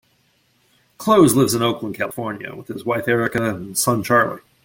Clowes lives in Oakland, California, with his wife Erika and son Charlie.